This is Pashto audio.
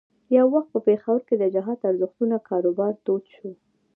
یو وخت په پېښور کې د جهاد ارزښتونو کاروبار تود شو.